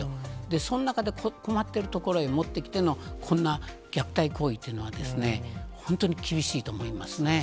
その中で困っているところへ持ってきての、こんな虐待行為というのはですね、本当に厳しいと思いますね。